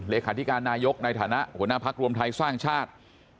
เลขาธิการนายกในฐานะหัวหน้าพักรวมไทยสร้างชาติ